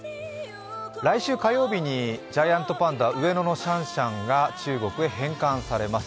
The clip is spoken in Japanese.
来週火曜日にジャイアントパンダ、上野のシャンシャンが中国へ返還されます。